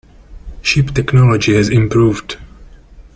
Ship technology has improved.